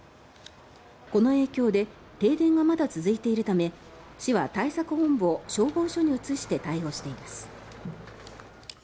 この影響で停電がまだ続いているため市は対策本部を消防署に移して対応しています。